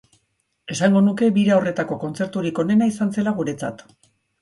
Esango nuke bira horretako kontzerturik onena izan zela guretzat.